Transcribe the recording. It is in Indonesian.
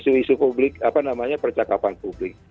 isu isu publik apa namanya percakapan publik